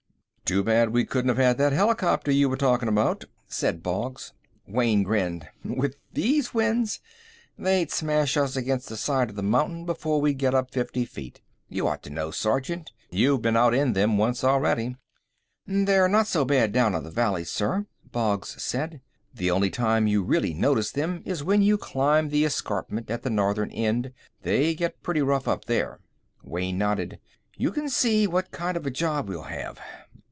"Too bad we couldn't have had that helicopter you were talking about," said Boggs. Wayne grinned. "With these winds? They'd smash us against the side of the mountain before we'd get up fifty feet. You ought to know, Sergeant you've been out in them once already." "They're not so bad down in this valley, sir," Boggs said. "The only time you really notice them is when you climb the escarpment at the northern end. They get pretty rough up there." Wayne nodded. "You can see what kind of a job we'll have.